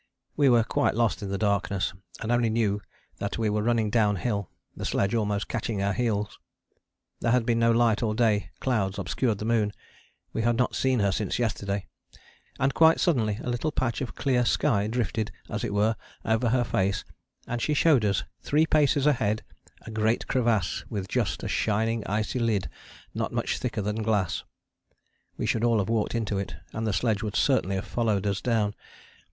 We were quite lost in the darkness, and only knew that we were running downhill, the sledge almost catching our heels. There had been no light all day, clouds obscured the moon, we had not seen her since yesterday. And quite suddenly a little patch of clear sky drifted, as it were, over her face, and she showed us three paces ahead a great crevasse with just a shining icy lid not much thicker than glass. We should all have walked into it, and the sledge would certainly have followed us down.